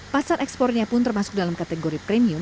pasar ekspornya pun termasuk dalam kategori premium